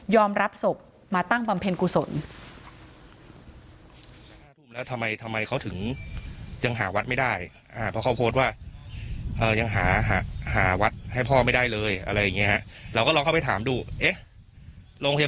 รับศพมาตั้งบำเพ็ญกุศล